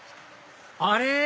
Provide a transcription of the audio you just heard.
あれ？